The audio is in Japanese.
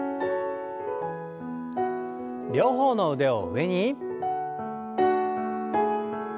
両方の腕を上に。